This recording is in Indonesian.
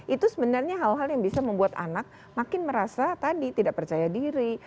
itu sebenarnya hal hal yang bisa membuat anak makin merasa tadi tidak percaya diri